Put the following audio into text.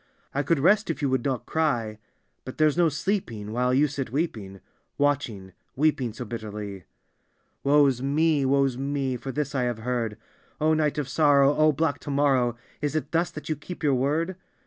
" I could rest if you would not cry, But there's no sleeping while you sit weeping Watching, weeping so bitterly." —" Woe's mel Woe's mel For this I have heard. Ob nif^t of sorrow — oh, black to morrow I Is it thus that you fceep your word?